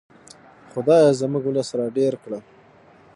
خدایه زموږ ولس را ډېر کړه.